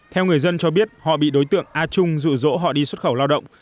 theo người dân cho biết họ bị đối tượng a trung dụ dỗ họ đi xuất khẩu lao động